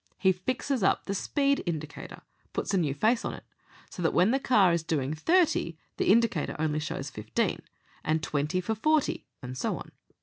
He fixes up the speed indicator puts a new face on it, so that when the car is doing thirty, the indicator only shows fifteen, and twenty for forty, and so on.